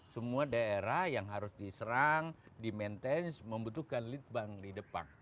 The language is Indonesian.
semua daerah yang harus diserang di maintain membutuhkan lead bank di depan